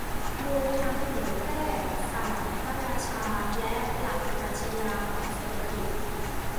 รวมทั้งเผยแพร่ศาสตร์พระราชาและหลักปรัชญาของเศรษฐกิจ